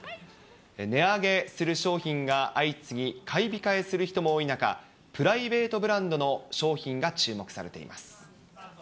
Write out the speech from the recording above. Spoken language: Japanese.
値上げする商品が相次ぎ、買い控えする人も多い中、プライベートブランドの商品が注目されています。